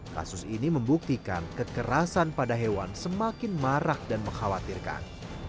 kasus ini membuktikan kekerasan pada hewan semakin marak dan mengkhawatirkan